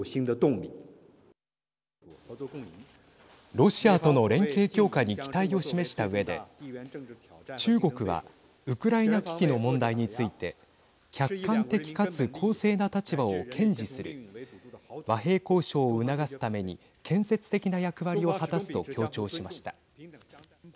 ロシアとの連携強化に期待を示したうえで中国はウクライナ危機の問題について客観的かつ公正な立場を堅持する和平交渉を促すために建設的な役割を果たすと強調しました。